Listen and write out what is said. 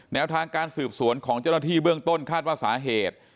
แนวทางการสืบสวนของเจ้าหน้าที่เบื้องต้นคาดว่าสาเหตุ